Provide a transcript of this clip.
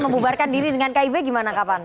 membubarkan diri dengan kib gimana kapan